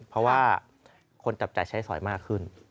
เพราะว่าคนจับจ่ายใช้สอยมากขึ้น